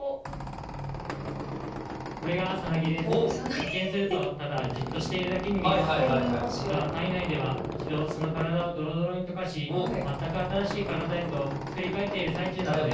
一見するとただじっとしているだけに見えますが実は体内では一度その体をドロドロに溶かし全く新しい体へと作り変えている最中なのです。